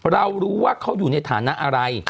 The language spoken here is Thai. เรารู้ว่าเขาอยู่ในฐานะอะไร